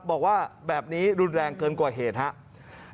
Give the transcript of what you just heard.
บอกว่าแบบนี้รุนแรงเกินกว่าเหตุครับ